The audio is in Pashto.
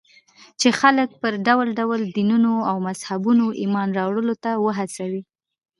چې خلک پر ډول ډول دينونو او مذهبونو ايمان راوړلو ته وهڅوي.